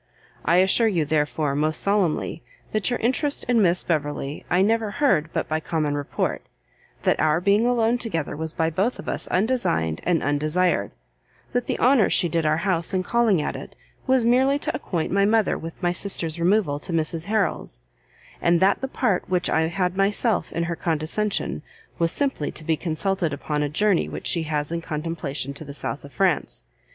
I assure you, therefore, most solemnly, that your interest in Miss Beverley I never heard but by common report, that our being alone together was by both of us undesigned and undesired, that the honour she did our house in calling at it, was merely to acquaint my mother with my sister's removal to Mrs Harrel's, and that the part which I had myself in her condescension, was simply to be consulted upon a journey which she has in contemplation to the South of France.